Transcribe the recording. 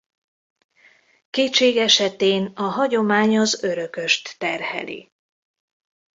Kétség esetén a hagyomány az örököst terheli.